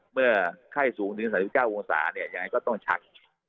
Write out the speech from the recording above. เมื่อไข้สูงถึงสามสิบเก้าองศาเนี่ยยังไงก็ต้องชักนะฮะ